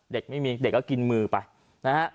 เด็กไม่มีเด็กก็กินมือไปนะฮะ